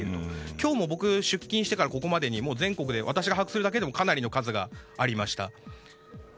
今日も出勤してからこれまでに全国で私が見ただけでもかなりの数がありました。